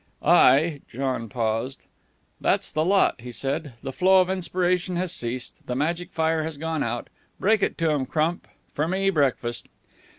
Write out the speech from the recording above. "I " John paused. "That's the lot," he said. "The flow of inspiration has ceased. The magic fire has gone out. Break it to 'em, Crump. For me, breakfast."